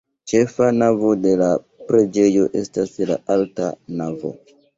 Ĉefa navo de la preĝejo estas la alta navo.